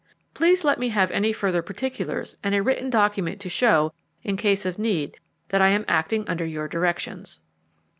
"Please let me have any further particulars, and a written document to show, in case of need, that I am acting under your directions."